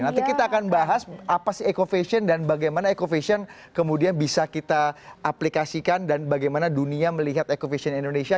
nanti kita akan bahas apa sih eco fashion dan bagaimana eco fashion kemudian bisa kita aplikasikan dan bagaimana dunia melihat eco fashion indonesia